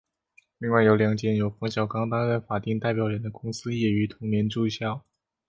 另外有两间由冯小刚担任法定代表人的公司也于同年注销。